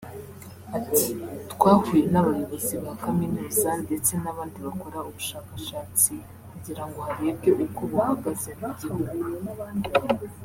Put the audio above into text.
Ati ”Twahuye n’abayobozi ba kaminuza ndetse n’abandi bakora ubushakashatsi kugira ngo harebwe uko buhagaze mu gihugu